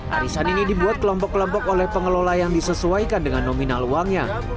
arisan ini dibuat kelompok kelompok oleh pengelola yang disesuaikan dengan nominal uangnya